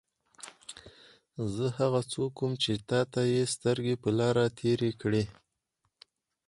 زه هغه څوک وم چې تا ته یې سترګې په لار تېرې کړې.